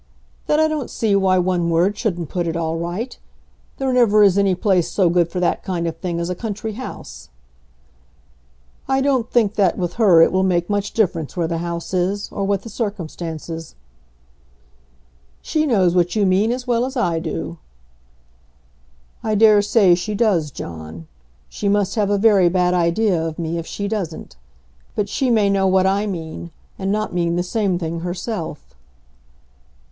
"Then I don't see why one word shouldn't put it all right. There never is any place so good for that kind of thing as a country house." "I don't think that with her it will make much difference where the house is, or what the circumstances." "She knows what you mean as well as I do." "I dare say she does, John. She must have a very bad idea of me if she doesn't. But she may know what I mean and not mean the same thing herself."